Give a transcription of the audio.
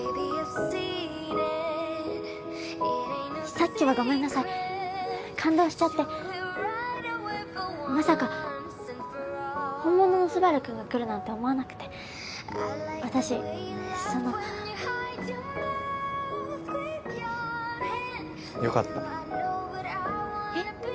さっきはごめんなさい感動しちゃってまさか本物のスバルくんが来るなんて思わなくて私そのよかったへっ？